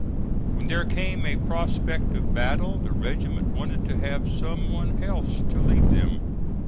When there came a prospect of battle the regiment wanted to have some one else to lead them.